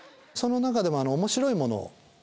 その中でも面白いものを。